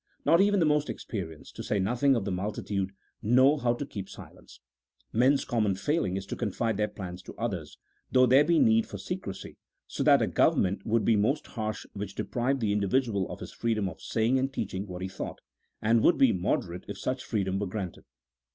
Not even the most experienced, to say nothing of the multitude, know how to keep silence. Men's common failing is to confide their plans to others, though there be need for secrecy, so that a government would be most harsh which deprived the individual of his freedom of saying and teaching what he thought ; and would be moderate if such freedom were granted.